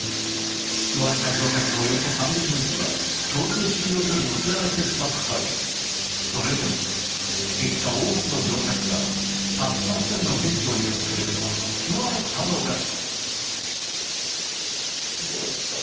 救われた乗客のおよそ３分の１は強制収容所に送られてしまったが、それでも、結果、多くの乗客が、たった一人の船長によって、どうですか？